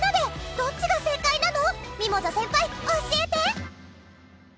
どっちが正解なの？